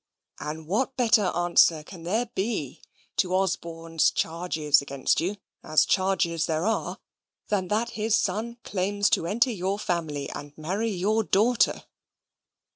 And what better answer can there be to Osborne's charges against you, as charges there are, than that his son claims to enter your family and marry your daughter?"